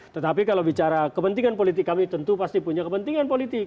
tetapi kalau bicara kepentingan politik kami tentu pasti punya kepentingan politik